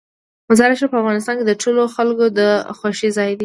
مزارشریف په افغانستان کې د ټولو خلکو د خوښې ځای دی.